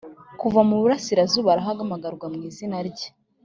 Kuva mu burasirazuba arahamagarwa mu izina rye;